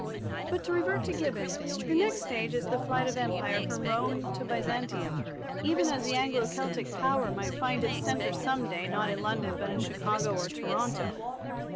But to revert to Gibbon: the next stage is the flight of Empire from Rome to Byzantium, even as the Anglo Celtic power might find its centre some day not in London but in Chicago or Toronto.